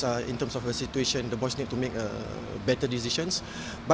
tapi tentu saja dalam situasi ini pemain pemain perlu membuat keputusan yang lebih baik